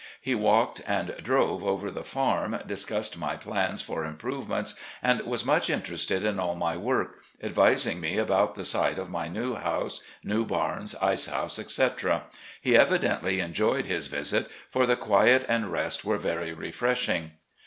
He walked and drove over the farm, discussed my plans for improvement, and was much interested in all my work, advising me about the site of my new house, new bams, ice house, etc. He CAddently enjoyed his visit, for the quiet and the rest were very refreshing.